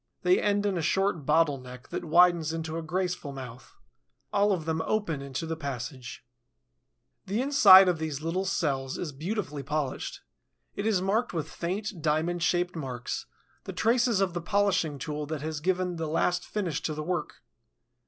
They end in a short bottle neck that widens into a graceful mouth. All of them open into the passage. The inside of these little cells is beautifully polished. It is marked with faint, diamond shaped marks, the traces of the polishing tool that has given the last finish to the work.